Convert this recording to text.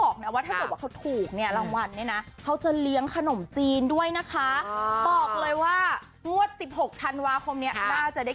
ขนมจีนด้วยนะคะบอกเลยว่างวัดสิบหกทานวาคมเนี้ยน่าจะได้